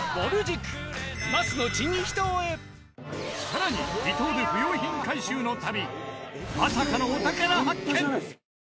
更に離島で不用品回収の旅まさかのお宝発見！